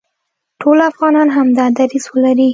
ټول افغانان همدا دریځ ولري،